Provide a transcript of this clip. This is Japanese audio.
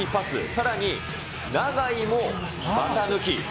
さらに永井も股抜き。